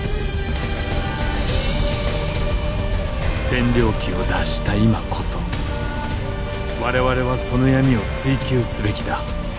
占領期を脱した今こそ我々はその闇を追及すべきだ。